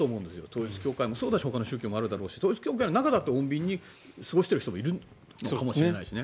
統一教会もそうだしほかの宗教もあるだろうし統一教会の中だって穏便に過ごしている人もいるのかもしれないし。